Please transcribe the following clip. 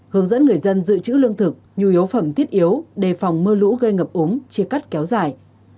hướng dẫn người dân dự trữ lương thực nhu yếu phẩm thiết yếu đề phòng mưa lũ gây ngập ống chia cắt kéo dài